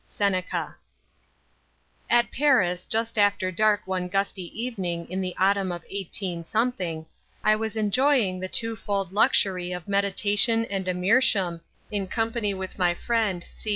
—Seneca. At Paris, just after dark one gusty evening in the autumn of 18 , I was enjoying the twofold luxury of meditation and a meerschaum, in company with my friend C.